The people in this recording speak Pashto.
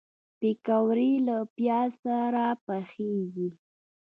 پکورې له پیاز سره پخېږي